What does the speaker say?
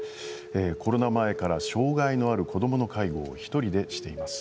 コロナ前から障害のある子どもの介護を１人でしています。